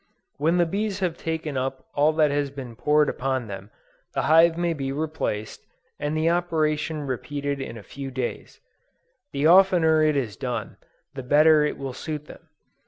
When the bees have taken up all that has been poured upon them, the hive may be replaced, and the operation repeated in a few days: the oftener it is done, the better it will suit them.